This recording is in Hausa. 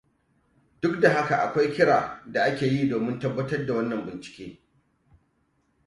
Duk da haka, akwai kira da ake yi domin tabbatar da wannan bincike.